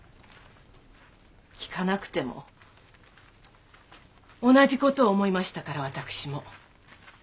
聞かなくても同じ事を思いましたから私も。